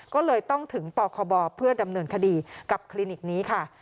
ก็เลยต้องถึงปคบเพื่อดำเนินคดีกับคลินิกนี้ค่ะ